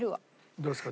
どうですか？